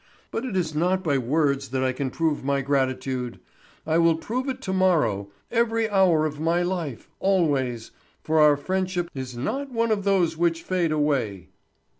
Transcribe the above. But it is not by words that I can prove my gratitude. I will prove it to morrow, every hour of my life, always, for our friendship is not one of those which fade away."